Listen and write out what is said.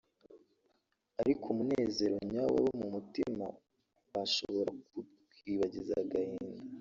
ariko umunezero nyawo wo mu mutima washobora kukwibagiza agahinda